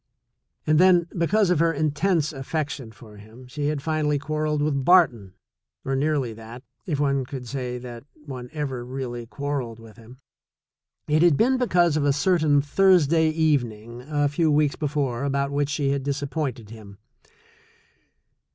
And then, because of her intense affection for him, she had finally quarreled with Barton, or nearly that, if one could say that one ever really quarreled with him. It had been because of a certain Thursday even ing a few weeks before about which she had disap pointed him.